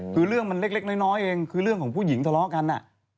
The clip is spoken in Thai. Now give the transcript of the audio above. คือเรื่องมันเล็กน้อยเองคือเรื่องของผู้หญิงทะเลาะกัน